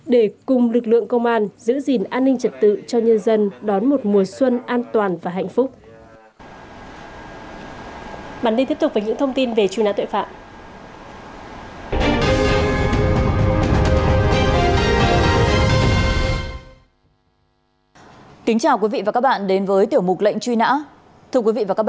để cùng lực lượng công an giữ gìn an ninh trật tự cho nhân dân đón một mùa xuân an toàn và hạnh phúc